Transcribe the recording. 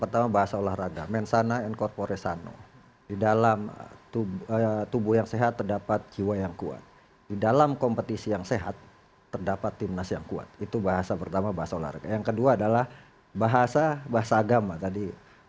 tetap bersama kami